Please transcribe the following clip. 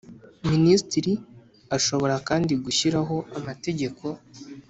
Minisitiri ashobora kandi gushyiraho amategeko